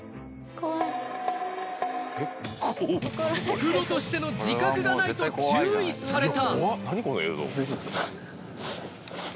プロとしての自覚がないと注意された。